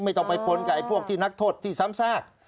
ไม่ต้องไปปนกับพวกที่นักโทษที่ซ้ำซาก